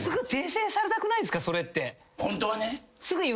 ホントはね。